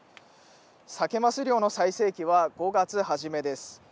サケ・マス漁の最盛期は、５月初めです。